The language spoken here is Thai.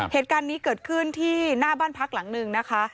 เหตุการณ์นี้เกิดขึ้นที่หน้าบ้านพักหลังหนึ่งนะคะ